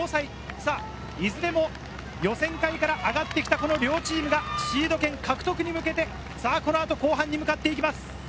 ９位、１０位、明治、城西、いずれも予選会から上がってきた両チームがシード権獲得に向けてこの後、後半に向かっていきます。